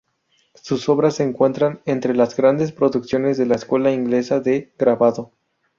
Sus obras se encuentran entre las grandes producciones de la escuela inglesa de grabado.